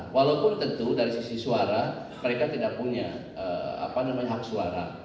walaupun tentu dari sisi suara mereka tidak punya hak suara